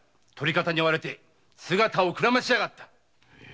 追われて姿をくらましやがった！